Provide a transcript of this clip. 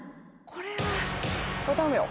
これ頼むよ。